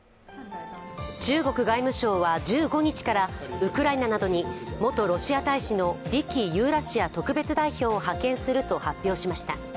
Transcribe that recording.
中国外務省は１５日からウクライナなどに元ロシア大使の李輝ユーラシア特別代表を派遣すると発表しました。